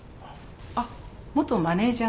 あっ元マネジャーの。